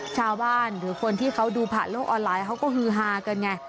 ชาวบ้านหรือคนที่เขาดูผ่านโลกออนไลน์เขาก็ฮือฮากันไง